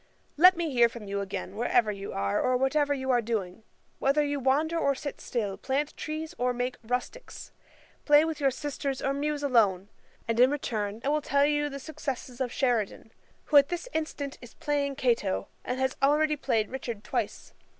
] 'Let me hear from you again, wherever you are, or whatever you are doing; whether you wander or sit still, plant trees or make Rusticks, play with your sisters or muse alone; and in return I will tell you the success of Sheridan, who at this instant is playing Cato, and has already played Richard twice.